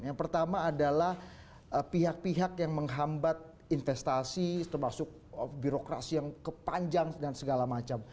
yang pertama adalah pihak pihak yang menghambat investasi termasuk birokrasi yang kepanjang dan segala macam